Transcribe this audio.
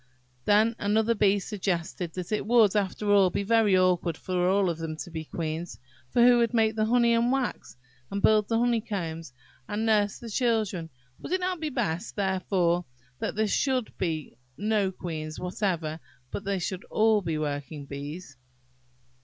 Then another Bee suggested that it would, after all, be very awkward for them all to be queens; for who would make the honey and wax, and build the honeycombs, and nurse the children? Would it not be best, therefore, that there should be no queens whatever, but that they should all be working bees?